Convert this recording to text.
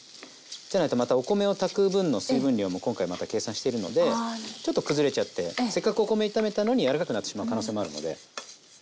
じゃないとまたお米を炊く分の水分量も今回また計算してるのでちょっと崩れちゃってせっかくお米炒めたのに柔らかくなってしまう可能性もあるので。